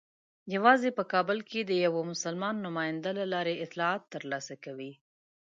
یوازې په کابل کې د یوه مسلمان نماینده له لارې اطلاعات ترلاسه کوي.